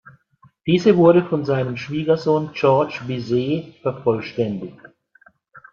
Diese wurde von seinem Schwiegersohn Georges Bizet vervollständigt.